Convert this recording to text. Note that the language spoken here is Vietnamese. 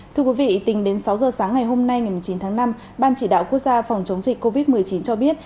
thưa quý vị tính đến sáu giờ sáng ngày hôm nay ngày chín tháng năm ban chỉ đạo quốc gia phòng chống dịch covid một mươi chín cho biết